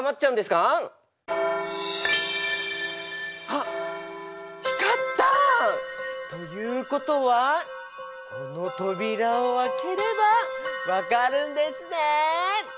あっ光った！ということはこの扉を開ければ分かるんですね。